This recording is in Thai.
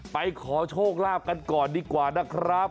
ไปขอโชคลาภกันก่อนดีกว่านะครับ